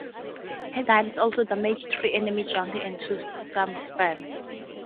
Her guns also damaged three enemy junks and two sampans.